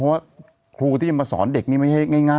เพราะว่าครูที่จะมาสอนเด็กนี่ไม่ใช่ง่าย